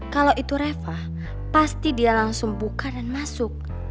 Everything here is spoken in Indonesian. kalau itu reva pasti dia langsung buka dan masuk